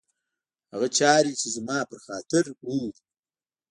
هغه چاري چي زما پر خاطر اوري